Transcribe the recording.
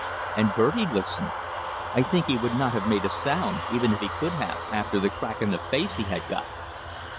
And Bertie listened; I think he would not have made a sound, even if he could have, after the crack in the face he had got.